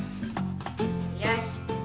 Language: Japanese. よし。